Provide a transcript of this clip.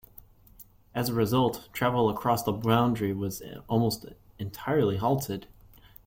As a result, travel across the boundary was almost entirely halted.